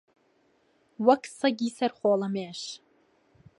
وەک سەگی سەر خۆڵەمێش